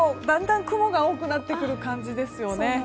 だんだん雲が多くなってくる感じですよね。